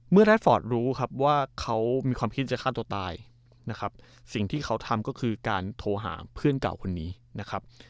แรดฟอร์ตรู้ครับว่าเขามีความคิดจะฆ่าตัวตายนะครับสิ่งที่เขาทำก็คือการโทรหาเพื่อนเก่าคนนี้นะครับ